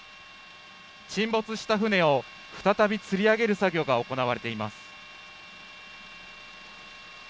沈没した船を再びつり上げる作業が行われています。